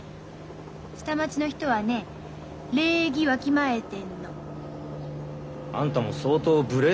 下町の人はね礼儀わきまえてんの。あんたも相当無礼だと思うけどね。